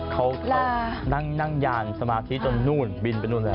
เขานั่งยานสมาธิจนนู่นบินไปนู่นแล้ว